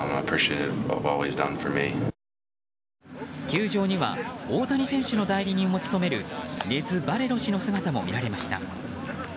球場には大谷選手の代理人を務めるネズ・バレロ氏の姿も見られました。